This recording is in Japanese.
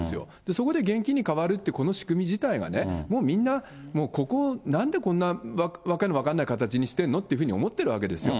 そこで現金に換わるっていうこの仕組み自体がね、もうみんなここ、なんでこんな訳の分からない形にしてるのって思ってるわけですよ。